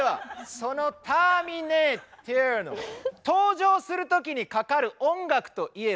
その「ターミネーター」の登場する時にかかる音楽といえば。